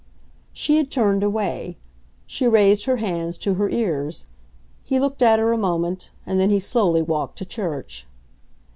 She had turned away; she raised her hands to her ears. He looked at her a moment, and then he slowly walked to church.